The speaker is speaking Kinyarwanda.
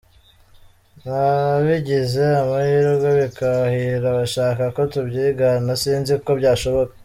N’abgize amahirwe bikabahira bashaka ko tubyigana sinzi ko byashoboka.”